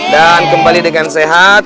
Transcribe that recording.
dan kembali dengan sehat